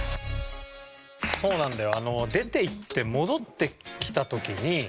そうなんだよ。